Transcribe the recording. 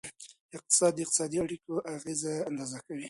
اقتصاد د اقتصادي پریکړو اغیزه اندازه کوي.